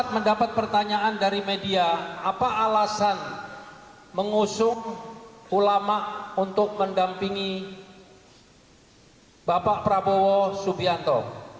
mengusung ulama untuk mendampingi bapak prabowo subianto